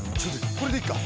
これでいいか？